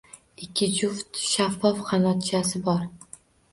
Ikki juft shaffof qanotchasi bor.